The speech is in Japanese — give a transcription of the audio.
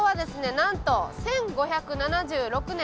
なんと１５７６年。